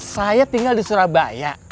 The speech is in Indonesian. saya tinggal di surabaya